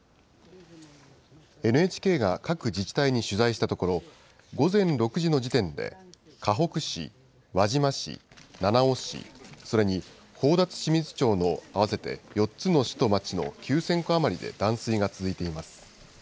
ＮＨＫが各自治体に取材したところ、午前６時の時点でかほく市、輪島市、七尾市、それに宝達志水町の合わせて４つの市と町の９０００戸余りで断水が続いています。